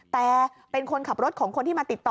แต่เป็นคนขับรถของคนที่มาติดต่อ